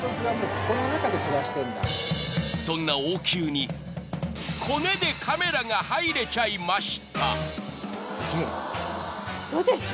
［そんな王宮にコネでカメラが入れちゃいました］